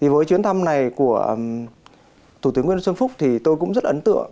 với chuyến thăm này của thủ tướng nguyễn xuân phúc thì tôi cũng rất ấn tượng